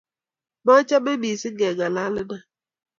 Machame mising keng'alalena.